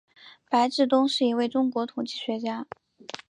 白志东是一位中国统计学家。